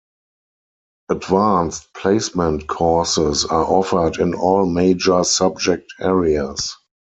Advanced placement courses are offered in all major subject areas.